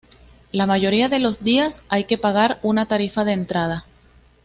La mayoría de los días hay que pagar una tarifa de entrada.